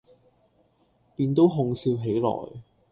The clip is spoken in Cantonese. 便都哄笑起來。